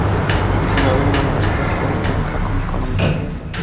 Se graduó de la Universidad de la República como Economista.